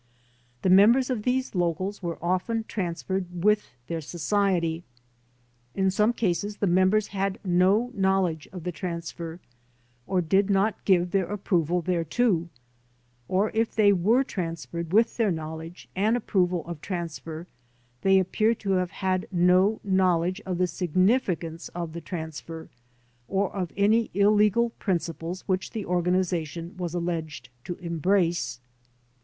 The members of these locals were often transferred with their society. In some cases the mem bers had no knowledge of the transfer or did not give their approval thereto; or if they were transferred with their knowledge and approval of transfer they appear to have had no knowledge of the significance of the trans fer or of any illegal principles which the organization was alleged to embrace.